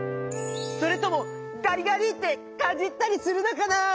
それともガリガリってかじったりするのかな？